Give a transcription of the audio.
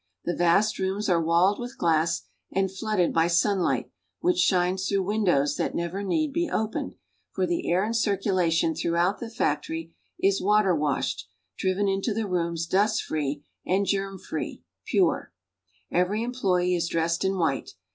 The vast rooms are walled with glass and flooded by sunlight which shines through windows that never need be oj)ened, for the air in circulation throughout the factory is water washed; driven into the rooms dust free and germ free l— pure. Every employee is dressed in white.